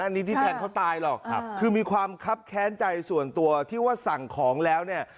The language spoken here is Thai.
อันนี้ที่แทงเขาตายหรอกคือมีความคับแค้นใจส่วนตัวที่ว่าสั่งของแล้วเนี่ย